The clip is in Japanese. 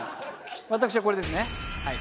私はこれですね。